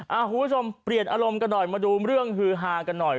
คุณผู้ชมเปลี่ยนอารมณ์กันหน่อยมาดูเรื่องฮือฮากันหน่อย